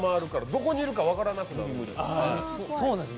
どこにいるか分からなくなる。